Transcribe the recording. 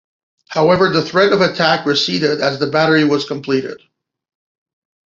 However, the threat of attack receded as the battery was completed.